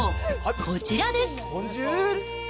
こちらです。